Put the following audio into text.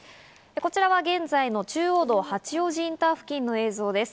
こちらは現在の中央道・八王子インター付近の映像です。